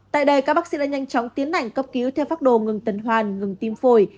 tại đây các bác sĩ đã nhanh chóng tiến hành cấp cứu theo pháp đồ ngừng tần hoàn ngừng tim phổi